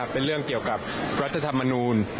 เป็นเรื่องเกี่ยวกับรัฐธรรมนูล